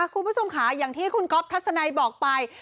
คุณผู้ชมค่ะอย่างที่คุณก๊อฟทัศนัยบอกไป